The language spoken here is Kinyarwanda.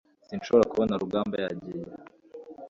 sinshobora kubona rugamba. yagiye